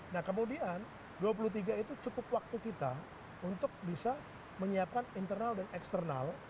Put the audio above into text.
nah kemudian dua puluh tiga itu cukup waktu kita untuk bisa menyiapkan internal dan eksternal